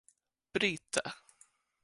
brita